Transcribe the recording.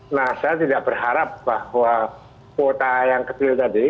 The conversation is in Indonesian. nah saya tidak berharap bahwa kuota yang kecil tadi